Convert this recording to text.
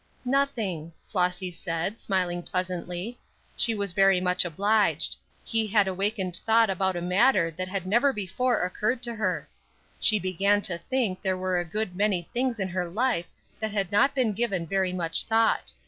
"Nothing," Flossy said, smiling pleasantly. She was very much obliged. He had awakened thought about a matter that had never before occurred to her. She began to think there were a good many things in her life that had not been given very much thought.